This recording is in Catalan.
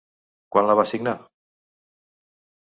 Quan la va signar?